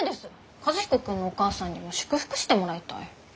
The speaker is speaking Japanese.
和彦君のお母さんにも祝福してもらいたい。